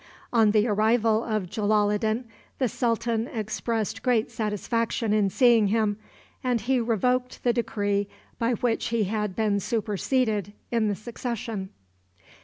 On the arrival of Jalaloddin, the sultan expressed great satisfaction in seeing him, and he revoked the decree by which he had been superseded in the succession.